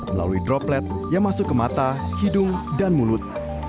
melalui droplet yang masuk ke mata hidung dan mulut